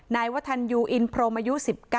นายวัฒนยูอินพรมอายุ๑๙